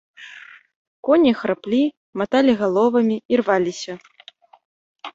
Коні храплі, маталі галовамі, ірваліся.